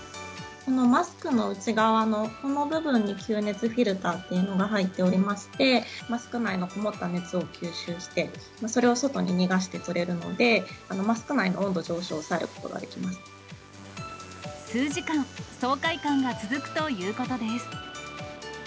このマスクの内側のこの部分に吸熱フィルターというのが入っておりまして、マスク内の籠った熱を吸収して、それを外に逃がしてくれるので、マスク内の温度上昇を抑えること数時間、爽快感が続くということです。